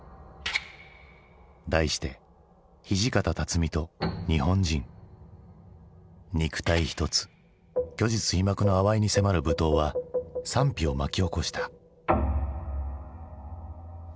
題して「土方と日本人」。肉体一つ虚実皮膜のあわいに迫る舞踏は賛否を巻き起こした。